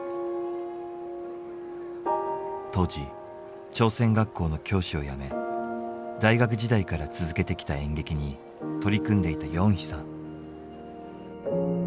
当時朝鮮学校の教師を辞め大学時代から続けてきた演劇に取り組んでいたヨンヒさん。